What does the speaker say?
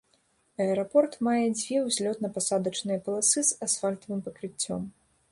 Аэрапорт мае дзве узлётна-пасадачныя паласы з асфальтавым пакрыццём.